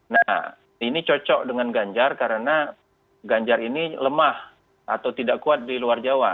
nah ini cocok dengan ganjar karena ganjar ini lemah atau tidak kuat di luar jawa